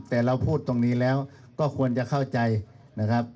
แต่เราพูดตรงนี้แล้วก็ควรจะเข้าใจนะครับ